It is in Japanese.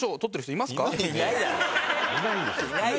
いないですね。